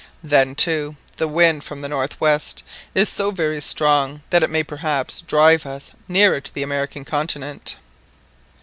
Then, too, the wind from the north west is so very strong that it may perhaps drive us nearer to the American continent."